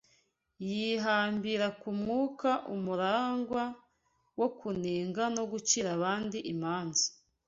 yihambira ku mwuka umuranga wo kunenga no gucira abandi imanza